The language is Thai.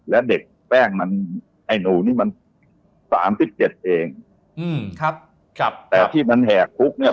และเด็กแป้งมันไอ้หนูนี่มัน๓๗เองแต่ที่มันแหกลุกเนี่ย